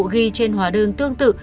ghi trên hóa đơn tương tự